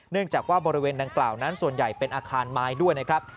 จากว่าบริเวณดังกล่าวนั้นส่วนใหญ่เป็นอาคารไม้ด้วยนะครับ